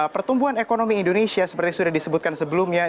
pertumbuhan ekonomi indonesia seperti sudah disebutkan sebelumnya